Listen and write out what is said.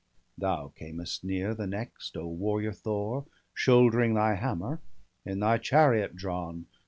Thou camest near the next, O warrior Thor ! Shouldering thy hammer, in thy chariot drawn.